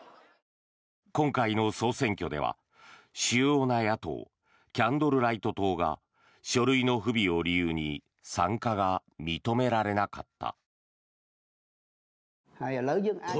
今回の総選挙では主要な野党キャンドルライト党が書類の不備を理由に参加が認められなかった。